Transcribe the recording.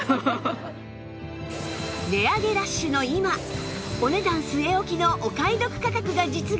値上げラッシュの今お値段据え置きのお買い得価格が実現！